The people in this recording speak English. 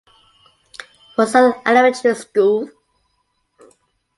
Russell Elementary School.